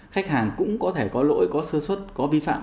khách hàng cũng có thể có lỗi có sơ xuất có vi phạm